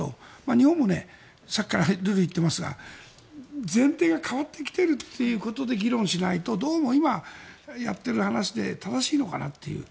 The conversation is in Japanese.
日本もさっきから言っていますが前提が変わってきているということで議論しないとどうも今、やっている話で正しいのかなという。